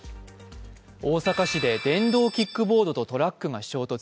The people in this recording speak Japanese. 大阪市で電動キックボードとトラックが衝突。